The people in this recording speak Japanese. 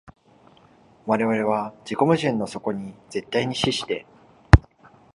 我々は自己矛盾の底に絶対に死して、